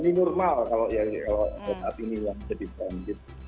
minormal kalau ya kalau saat ini yang sedikit